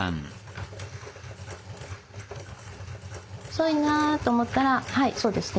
細いなと思ったらはいそうですね